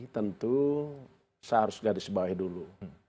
tentu saya harus garis bawahi dulu